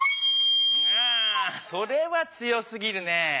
それは強すぎるね。